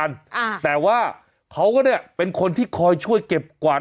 อ่าแต่ว่าเขาก็เนี้ยเป็นคนที่คอยช่วยเก็บกวาด